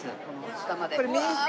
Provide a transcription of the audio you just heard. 下までうわあ！